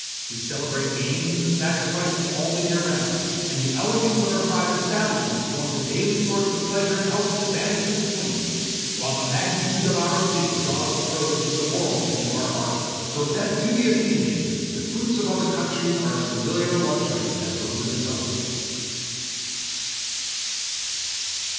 We celebrate games and sacrifices all the year round, and the elegance of our private establishments forms a daily source of pleasure and helps to banish the spleen; while the magnitude of our city draws the produce of the world into our harbour, so that to the Athenian the fruits of other countries are as familiar a luxury as those of his own.